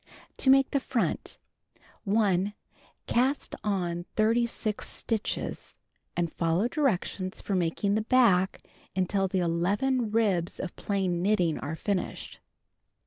To Make the Front: 1. Cast on 36 stitches and follow directions for making the back until the 1 1 ribs of plain knitting are finished.